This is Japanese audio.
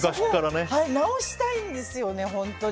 直したいんですよね、本当に。